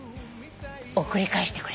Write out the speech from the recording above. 送り返してくれ。